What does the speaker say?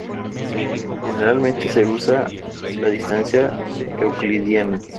Generalmente se usa la distancia euclidiana.